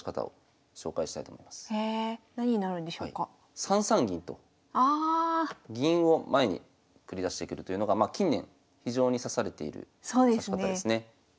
３三銀と銀を前に繰り出してくるというのが近年非常に指されている指し方ですね。